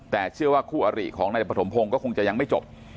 แต่เชื่อว่าคู่อริของนายปฐมพงศ์ก็คงจะยังไม่จบ